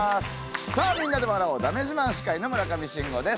さあみんなで笑おうだめ自慢司会の村上信五です。